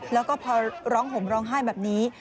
แล้วก็พอร้องห่มร้องไห้แบบนี้